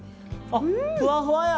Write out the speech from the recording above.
ふわふわや！